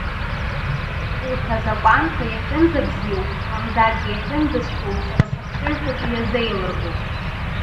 Урҭ азакәанқәа иахьынӡабзиоу, мамзаргьы иахьынӡацәгьоу сара сыхшыҩ хәыҷы иазеилыргом.